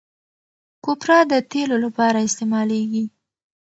کوپره د تېلو لپاره استعمالیږي.